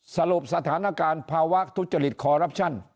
สรุปสถานการณ์ภาวะทุจริตคอรัปชั่น